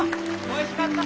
おいしかった！